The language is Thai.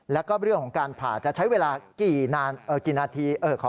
แล้วก็เรื่องของการผ่าจะใช้เวลากี่นาที